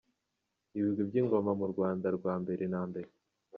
Ibigwi by’Ingoma mu Rwanda rwa mbere na mbere.